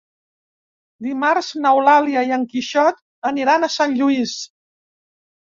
Dimarts n'Eulàlia i en Quixot aniran a Sant Lluís.